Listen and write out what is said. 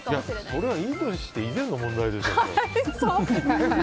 それは、いい年して以前の問題ですよ。